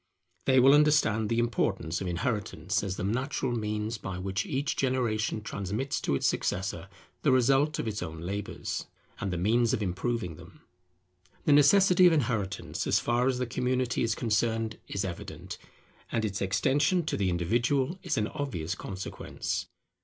They will understand the importance of inheritance, as the natural means by which each generation transmits to its successor the result of its own labours and the means of improving them. The necessity of inheritance, as far as the community is concerned, is evident, and its extension to the individual is an obvious consequence.